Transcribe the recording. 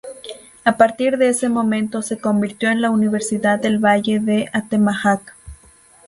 A partir de ese momento, se convirtió en la Universidad del Valle de Atemajac.